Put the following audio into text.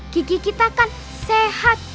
gigi kita kan sehat